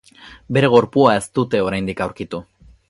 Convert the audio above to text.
Bere gorpua ez dute oraindik aurkitu.